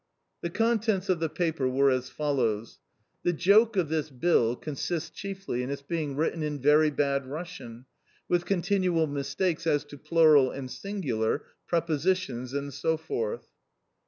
The contents of the paper were as follows: [The joke of this bill consists chiefly in its being written in very bad Russian, with continual mistakes as to plural and singular, prepositions and so forth.